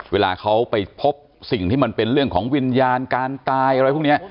เวลาเขาไปพบสิ่งที่มันเป็นเรื่องของวิญญาณการตายอะไรพวกนี้